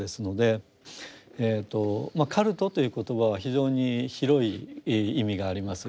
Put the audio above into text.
カルトという言葉は非常に広い意味があります。